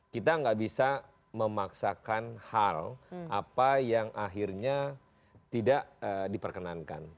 kita nggak bisa memaksakan hal apa yang akhirnya tidak diperkenankan